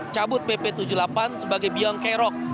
cabut pp tujuh puluh delapan sebagai biang kerok